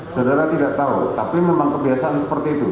saudara tidak tahu tapi memang kebiasaan seperti itu